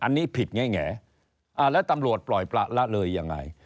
อันนี้ผิดแง่แล้วตำรวจปล่อยประละเลยยังไง